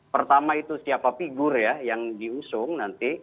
pertama itu siapa figur ya yang diusung nanti